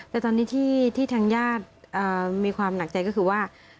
แต่ตอนนี้ที่ทางญาติมีความหนักใจก็คือว่า